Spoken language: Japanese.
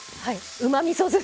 うまみそ酢です。